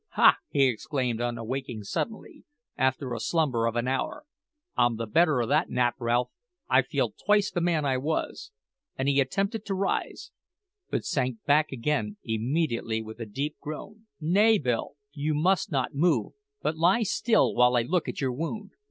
"Ha!" he exclaimed on awaking suddenly, after a slumber of an hour; "I'm the better of that nap, Ralph. I feel twice the man I was;" and he attempted to rise, but sank back again immediately with a deep groan. "Nay, Bill, you must not move, but lie still while I look at your wound.